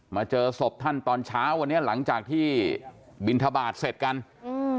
เจอศพท่านตอนเช้าวันนี้หลังจากที่บินทบาทเสร็จกันอืม